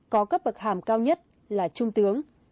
có cấp bậc hàm cao nhất là trung tướng